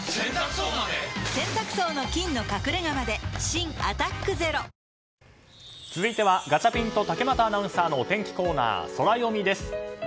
新「アタックＺＥＲＯ」続いてはガチャピンと竹俣アナウンサーのお天気コーナー、ソラよみです。